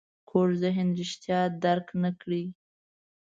کوږ ذهن رښتیا درک نه کړي